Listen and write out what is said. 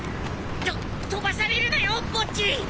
と飛ばされるなよボッジ！